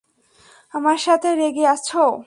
আমার সাথে রেগে আছো?